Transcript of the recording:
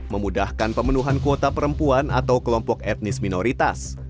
memudahkan pemenuhan kuota perempuan atau kelompok etnis minoritas